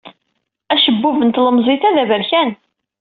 Acebbub n tlemẓit-a d aberkan.